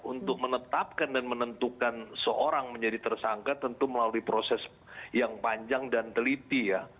untuk menetapkan dan menentukan seorang menjadi tersangka tentu melalui proses yang panjang dan teliti ya